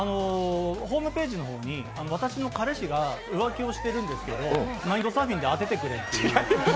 ホームページの方に私の彼氏が浮気しているんですけどマインドサーフィンで当ててくれという。